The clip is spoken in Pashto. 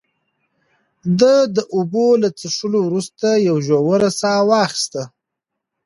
ده د اوبو له څښلو وروسته یوه ژوره ساه واخیسته.